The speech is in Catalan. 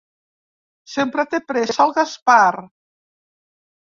Sempre té pressa, el Gaspar.